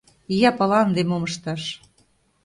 Ия пала, ынде мом ышташ?